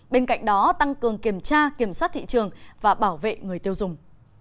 bên cạnh đó tăng cường kiểm tra kiểm soát thị trường và bảo vệ người tiêu dùng